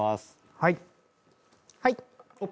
はい。